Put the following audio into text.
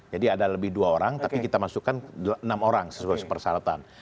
jadi ada lebih dua orang tapi kita masukkan enam orang sesuai persyaratan